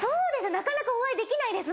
なかなかお会いできないですもん。